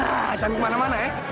nah cantik mana mana ya